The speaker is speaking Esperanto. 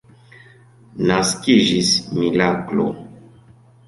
Naskiĝis miraklo.